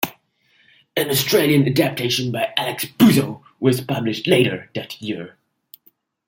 An Australian adaptation by Alex Buzo was published later that year.